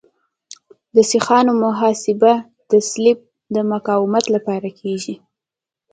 د سیخانو محاسبه د سلب د مقاومت لپاره کیږي